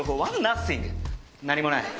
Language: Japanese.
何もない！